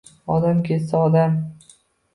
Odam ketsa odam